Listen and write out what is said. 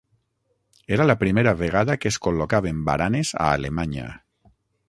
Era la primera vegada que es col·locaven baranes a Alemanya.